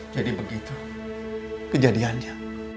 jadi begitu kejadiannya